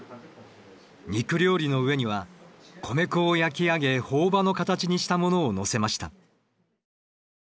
肉料理の上には米粉を焼き上げ朴葉の形にしたものを載せました。